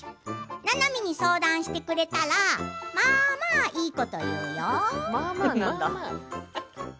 ななみに相談してくれたらまあまあいいこと言うよ。